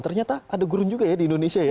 ternyata ada gurun juga ya di indonesia ya